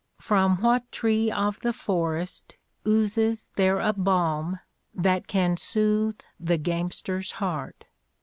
From what tree of the forest oozes there a balm that can soothe the gamester's heart?